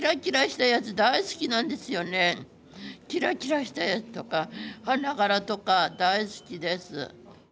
キラキラしたやつとか花柄とか大好きです。